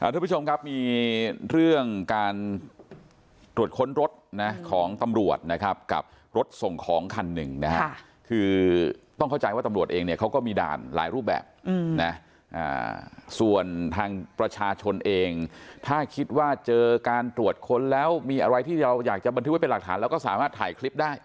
ทุกผู้ชมครับมีเรื่องการตรวจค้นรถนะของตำรวจนะครับกับรถส่งของคันหนึ่งนะฮะคือต้องเข้าใจว่าตำรวจเองเนี่ยเขาก็มีด่านหลายรูปแบบนะส่วนทางประชาชนเองถ้าคิดว่าเจอการตรวจค้นแล้วมีอะไรที่เราอยากจะบันทึกไว้เป็นหลักฐานแล้วก็สามารถถ่ายคลิปได้